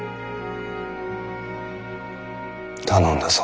頼んだぞ。